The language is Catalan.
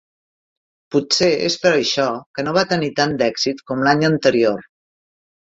Potser és per això que no va tenir tant d'èxit com l'any anterior.